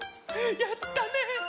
やったね！